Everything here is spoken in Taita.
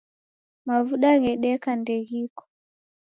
Mavuda ghedeka ndeghiko